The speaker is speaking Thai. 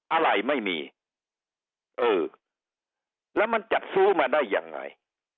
อะไรไม่มีเออแล้วมันจัดซื้อมาได้ยังไง